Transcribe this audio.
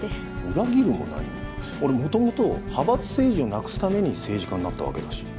裏切るも何も俺もともと派閥政治をなくすために政治家になったわけだし。